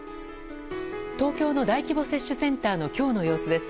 東京の大規模接種センターの今日の様子です。